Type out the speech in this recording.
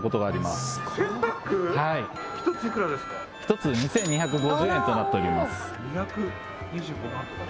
はい一つ２２５０円となっております